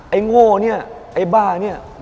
โง่เนี่ยไอ้บ้าเนี่ย